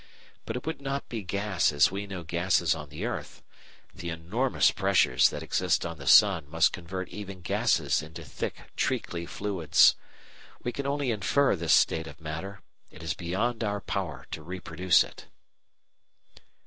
But it would not be gas as we know gases on the earth. The enormous pressures that exist on the sun must convert even gases into thick treacly fluids. We can only infer this state of matter. It is beyond our power to reproduce it.